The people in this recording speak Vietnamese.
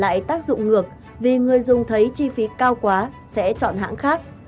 lại tác dụng ngược vì người dùng thấy chi phí cao quá sẽ chọn hãng khác